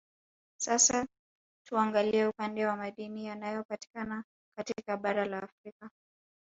Sasa tuangalie upande wa Madini yanayopatikana katika bara la afrika